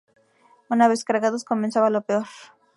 Una vez cargados comenzaba lo peor.